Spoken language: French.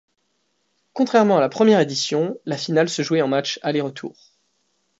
Contrairement à la première édition, la finale se jouait en matches aller-retour.